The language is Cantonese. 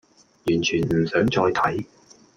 完全唔想再睇